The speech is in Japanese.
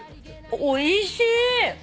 おいしい！